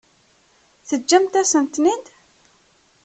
Teǧǧamt-asen-ten-id?